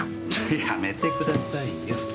やめてくださいよ。